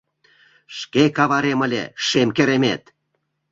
— Шке каварем ыле, шем керемет!